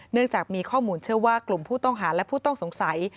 เนื่องจากมีข้อมูลเชื่อว่ากลุ่มผู้ต้องหาและผู้ต้องสงสัย